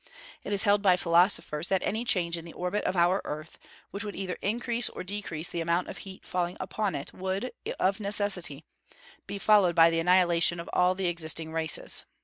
It is held by philosophers that any change in the orbit of our earth, which would either increase or decrease the amount of heat falling upon it, would, of necessity, be followed by the annihilation of all the existing races.